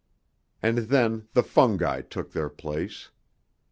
And then the fungi took their place.